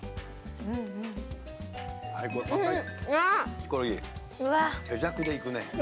ヒコロヒー、手酌でいくね。